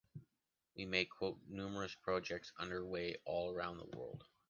We may quote numerous projects under way all around the world.